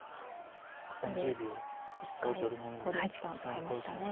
ここで１回考慮時間使いました。